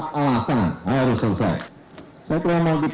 sejujurnya ini adalah perkembangan ilmuwan khas fregat ini hanya sedikit